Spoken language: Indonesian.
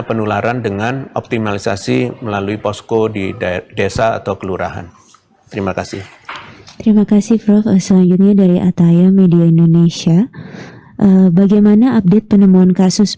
bagaimana update penemuan kasus